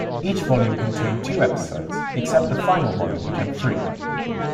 Each volume contained two episodes, except the final volume which had three.